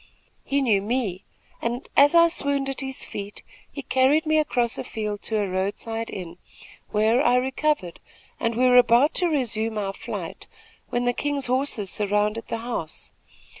He knew me, and, as I swooned at his feet, he carried me across a field to a road side inn, where I recovered, and we were about to resume our flight, when the king's soldiers surrounded the house.